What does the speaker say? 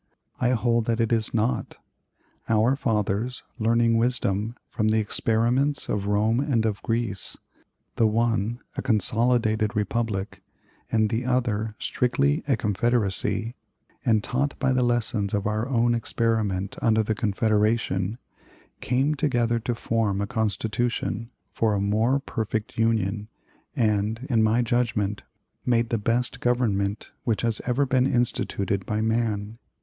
I hold that it is not. Our fathers, learning wisdom from the experiments of Rome and of Greece the one a consolidated republic, and the other strictly a confederacy and taught by the lessons of our own experiment under the Confederation, came together to form a Constitution for 'a more perfect union,' and, in my judgment, made the best government which has ever been instituted by man.